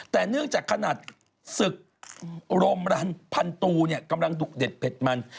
แต่เนื่องจากขนาดศึกโรมรันพันตูเนี่ยกำลังดุเด็ดเผ็ดมัน